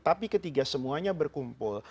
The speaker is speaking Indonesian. tapi ketika semuanya berkumpul